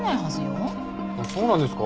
そうなんですか？